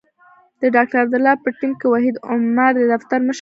د ډاکټر عبدالله په ټیم کې وحید عمر د دفتر مشر دی.